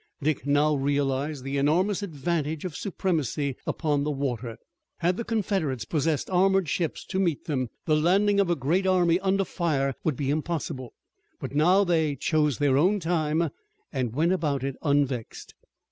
Dick now realized the enormous advantage of supremacy upon the water. Had the Confederates possessed armored ships to meet them, the landing of a great army under fire would be impossible, but now they chose their own time and went about it unvexed.